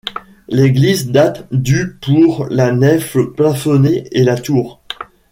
L'église date du pour la nef plafonnée et la tour.